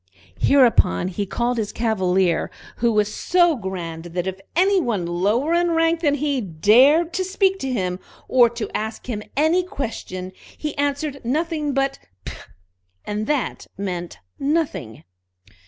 Hereupon he called his Cavalier, who was so grand that if any one lower in rank than he dared to speak to him, or to ask him any question, he answered nothing but "P!" and that meant nothing.